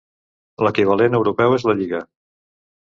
L'equivalent europeu es la lliga.